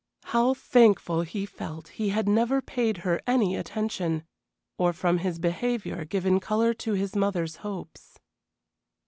How thankful he felt he had never paid her any attention, or from his behavior given color to his mother's hopes.